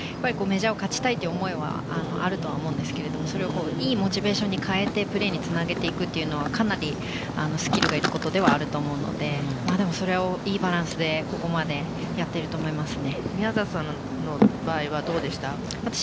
そのさじ加減って、本当に難しくて、メジャーを勝ちたいという思いはあると思うんですけど、それをいいモチベーションに変えてプレーにつなげていくっていうのはかなりスキルがいることではあると思うので、それをいいバランスでここまでやっていると思いますね。